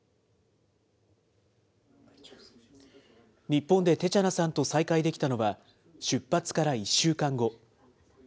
日本でテチャナさんと再会できたのは、出発から１週間後。